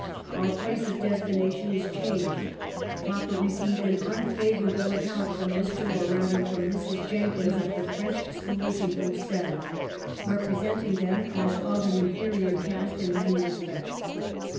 Our place of des tination is changed. Papa received an unfavor able account from Mr. or rather from Mrs. Jenkins of the French schools in Bruxelles, representing them as of an inferior caste in many respects.